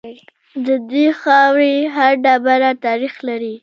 د دې خاورې هر ډبره تاریخ لري